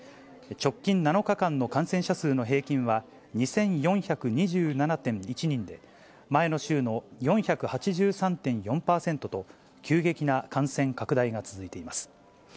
直近７日間の感染者数の平均は２４２７．１人で、前の週の４８３．４％と、急激な感染拡大が続いています。